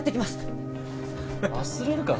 忘れるか？